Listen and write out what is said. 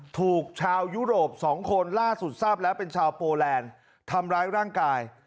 ถูกชาวยุโรปสองคนล่าสุดทราบแล้วเป็นชาวโปแลนด์ทำร้ายร่างกาย